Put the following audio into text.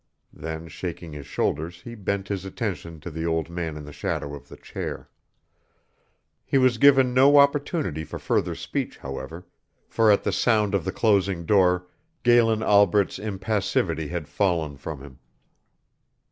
Then shaking his shoulders he bent his attention to the old man in the shadow of the chair. He was given no opportunity for further speech, however, for at the sound of the closing door Galen Albret's impassivity had fallen from him.